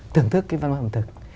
thưởng thức cái văn hóa ẩm thực